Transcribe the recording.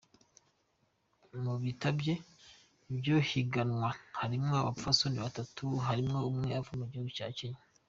Mubitavye iryo higanwa harimwo abapfasoni batanu, harimwo umwe ava mu gihugu ca Kenya.